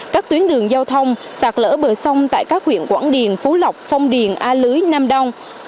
các tuyến đường giao thông sạt lỡ bờ sông tại các huyện quảng điền phú lộc phong điền a lưới nam đông